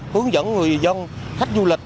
hướng dẫn người dân khách du lịch